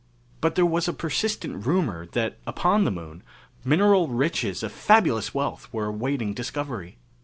But there was a persistent rumor that upon the Moon, mineral riches of fabulous wealth were awaiting discovery.